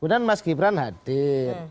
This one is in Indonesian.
kemudian mas ghibren hadir